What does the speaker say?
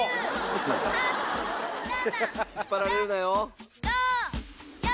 引っ張られるなよ